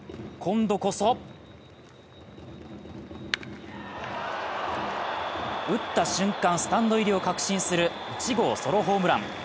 今度こそ打った瞬間、スタンド入りを確信する１号ソロホームラン。